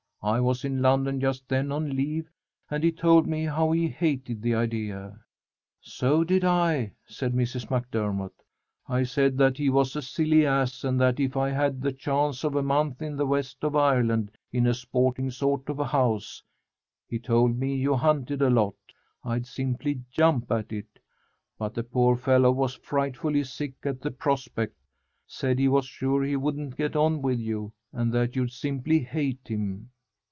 I was in London just then on leave, and he told me how he hated the idea." "So did I," said Mrs. MacDermott. "I said that he was a silly ass and that if I had the chance of a month in the west of Ireland in a sporting sort of house he told me you hunted a lot I'd simply jump at it. But the poor fellow was frightfully sick at the prospect, said he was sure he wouldn't get on with you, and that you'd simply hate him.